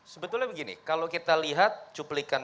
sebetulnya begini kalau kita lihat cuplikan